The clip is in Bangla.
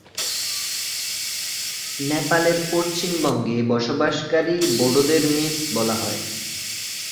নেপালের পশ্চিমবঙ্গে বসবাসকারী বোডোদের মেচ বলা হয়।